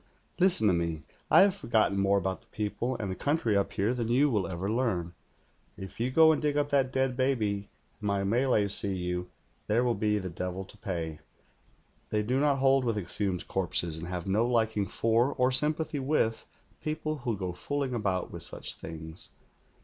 ' Listen to me. I have forgotten more about the people and the country here than you will ever learn. If you go and dig up that dead baby, and my Malays see you, there will be the devil to pay. They do not hold with exhumed corpses, and have no liking for or sympathy with people who go fooling about with such things.